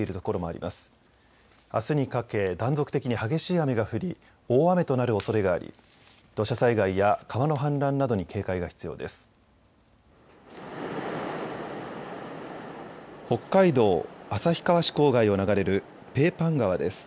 あすにかけ断続的に激しい雨が降り、大雨となるおそれがあり土砂災害や川の氾濫などに警戒が必要です。